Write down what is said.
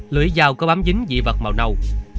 lưỡi dao có bám dính dị vật màu nâu